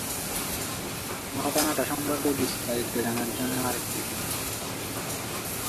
ঘটনাটা সম্পর্কে বিস্তারিত জানার জন্য আরকি।